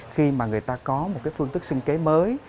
khi mà người ta có một cái phương tức sinh kế mới